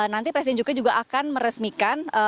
nanti presiden jokowi juga akan meresmikan